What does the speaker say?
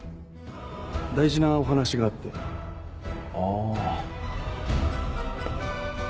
大事なお話があってあぁ。